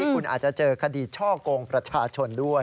คุณอาจจะเจอคดีช่อกงประชาชนด้วย